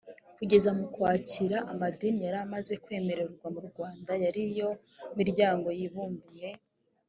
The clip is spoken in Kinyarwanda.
kugeza mu ukwakira amadini yari amaze kwemerwa mu rwanda yari iyo miryango yibumbiye